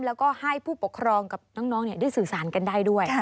แล้วก็ให้ผู้ปกครองกับน้องได้สื่อสารกันได้ด้วย